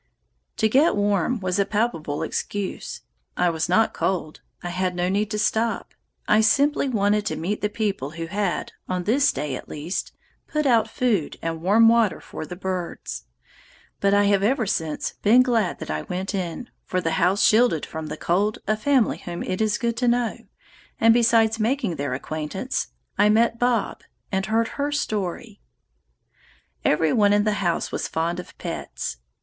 To get warm was a palpable excuse. I was not cold; I had no need to stop; I simply wanted to meet the people who had, on this day at least, put out food and warm water for the birds; but I have ever since been glad that I went in, for the house shielded from the cold a family whom it is good to know, and, besides making their acquaintance, I met "Bob" and heard her story. Every one in the house was fond of pets.